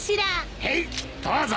へいどうぞ。